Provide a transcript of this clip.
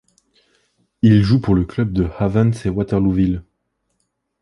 Il joue pour le club de Havant & Waterlooville.